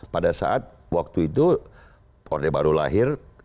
pada saat waktu itu orde baru lahir